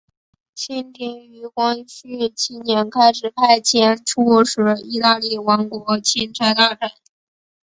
清廷于光绪七年开始派遣出使意大利王国钦差大臣。